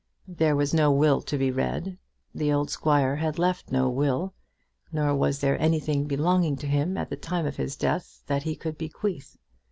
There was no will to be read. The old squire had left no will, nor was there anything belonging to him at the time of his death that he could bequeath.